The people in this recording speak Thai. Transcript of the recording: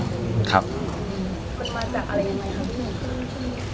มันมาจากอะไรยังไงครับ